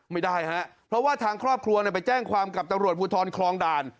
ไม่ได้ฮะเพราะว่าทางครอบครัวไปแจ้งความกับตำรวจภูทรคลองด่าน